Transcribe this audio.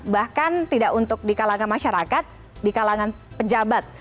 bahkan tidak untuk di kalangan masyarakat di kalangan pejabat